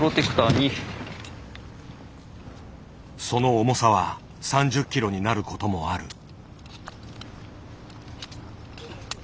その重さは３０ｋｇになることもある。